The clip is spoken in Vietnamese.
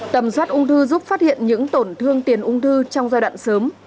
tầm soát ung thư giúp phát hiện những tổn thương tiền ung thư trong giai đoạn sớm